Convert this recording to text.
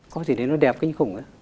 có gì đấy nó đẹp kinh khủng đó